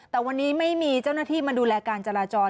แต่วันนี้ไม่มีเจ้าหน้าที่มาดูแลการจราจร